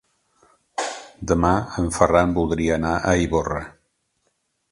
Demà en Ferran voldria anar a Ivorra.